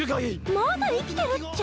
まだ生きてるっちゃ。